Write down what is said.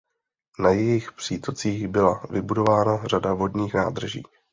Na jejich přítocích byla vybudována řada vodních nádrží.